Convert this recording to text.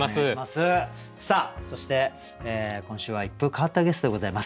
そして今週は一風変わったゲストでございます。